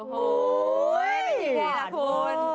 โอ้โหไม่ทีแหละคุณ